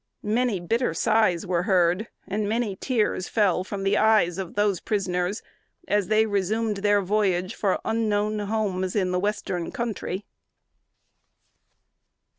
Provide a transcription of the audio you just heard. Many bitter sighs were heard, and many tears fell from the eyes of those prisoners as they resumed their voyage, for unknown homes in the Western Country.